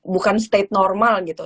bukan state normal gitu